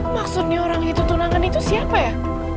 maksudnya orang itu tunangan itu siapa ya